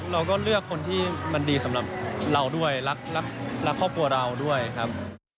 เราก็เลือกคนที่มันดีสำหรับเราด้วยรักครอบครัวเราด้วยครับ